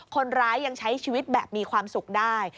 คนร้ายยังใช้ชีวิตแบบมีความสุขได้